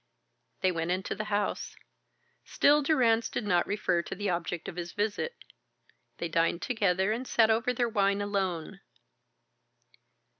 They went into the house. Still Durrance did not refer to the object of his visit. They dined together and sat over their wine alone.